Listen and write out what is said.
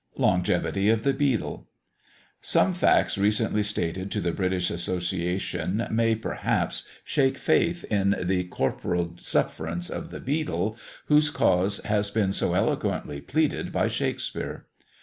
LONGEVITY OF THE BEETLE. Some facts recently stated to the British Association may, perhaps, shake faith in the "corporal sufferance" of the beetle, whose cause has been so eloquently pleaded by Shakspeare.